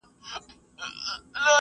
دا زوی مړې بله ورځ به کله وي